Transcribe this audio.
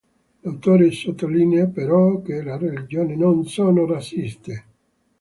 L’autore sottolinea, però, che le religioni non sono razziste.